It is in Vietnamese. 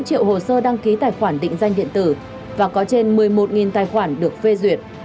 hai mươi triệu hồ sơ đăng ký tài khoản định danh điện tử và có trên một mươi một tài khoản được phê duyệt